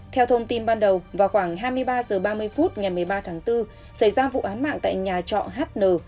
theo thông tin ban đầu vào khoảng hai mươi ba h ba mươi phút ngày một mươi ba tháng bốn xảy ra vụ án mạng tại nhà trọ hn